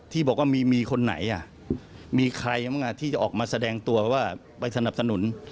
ที่บอกว่ามีคนไหนมีใครบ้างที่จะออกมาแสดงตัวว่าไปสนับสนุน